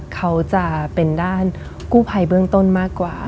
เขาจะเป็นด้านกู้ภัยเบื้องต้นมากกว่า